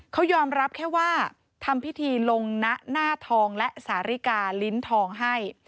เขายอมรับแค่ว่าทำพิธีลงนะหน้าทองและสาริกาลิ้นทองให้